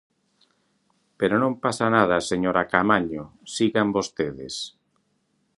Pero non pasa nada, señora Caamaño, sigan vostedes.